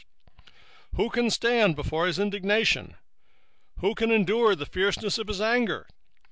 1:6 Who can stand before his indignation? and who can abide in the fierceness of his anger?